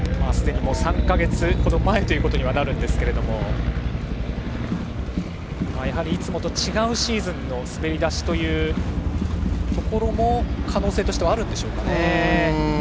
すでに３か月ほど前ということにはなりますがやはりいつもと違うシーズンの滑り出しというところも可能性としてはあるんでしょうか。